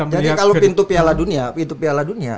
jadi kalau pintu piala dunia